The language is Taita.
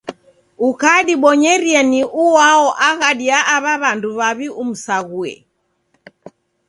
Ukadibonyeria ni uao aghadi ya aw'a w'andu w'aw'i umsaghue.